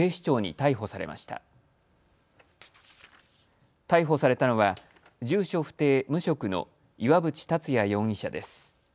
逮捕されたのは住所不定無職の岩渕達也容疑者です。